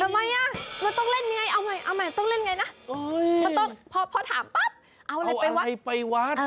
มัด้วยนะทำไมน่ะต้องเล่นไงเอาไว้ต้องเล่นไงนะ